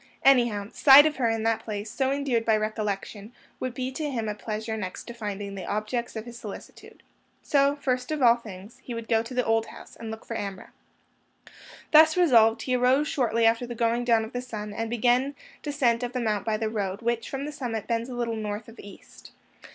Anyhow, sight of her in that place, so endeared by recollection, would be to him a pleasure next to finding the objects of his solicitude. So, first of all things, he would go to the old house, and look for Amrah. Thus resolved, he arose shortly after the going down of the sun, and began descent of the Mount by the road which, from the summit, bends a little north of east.